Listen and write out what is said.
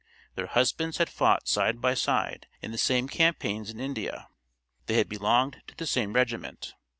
Their husbands had fought side by side in the same campaigns in India. They had belonged to the same regiment.